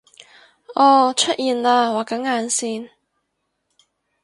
噢出現喇畫緊眼線！